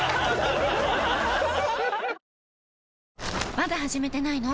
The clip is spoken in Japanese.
まだ始めてないの？